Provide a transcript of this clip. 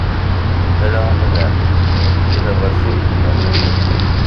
Ala amdan i daɣersiw izemren ad yeḍs.